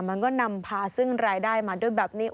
มันก็นำพาซึ่งรายได้มาด้วยแบบนี้